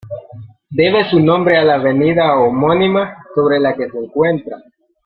Debe su nombre a la avenida homónima sobre la que se encuentra.